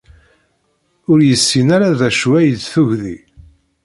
Ur yessin ara d acu ay d-tuggdi.